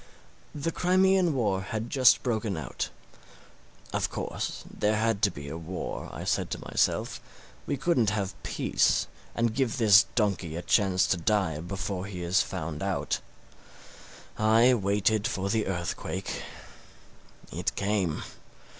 The Crimean war had just broken out. Of course there had to be a war, I said to myself: we couldn't have peace and give this donkey a chance to die before he is found out. I waited for the earthquake. It came.